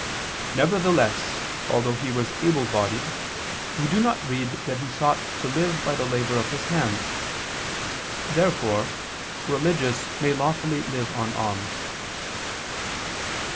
Nevertheless, although he was able bodied, we do not read that he sought to live by the labor of his hands. Therefore religious may lawfully live on alms.